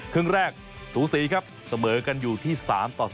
ครึ่งแรกสูสีครับเสมอกันอยู่ที่๓ต่อ๐